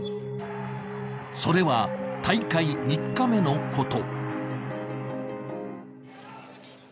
それは大会３日目のこと。